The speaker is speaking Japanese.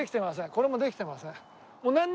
これもできてません。